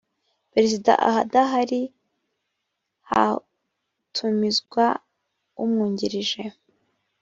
perezida adahari htumizwa umwungirije.